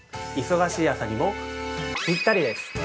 忙しい朝にも、ぴったりです。